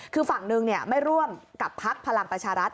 คือฝั่งหนึ่งไม่ร่วมกับพักพลังประชารัฐ